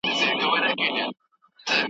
سياستپوهان د پېښو تحليل کوي.